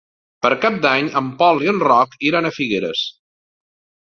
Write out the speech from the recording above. Per Cap d'Any en Pol i en Roc iran a Figueres.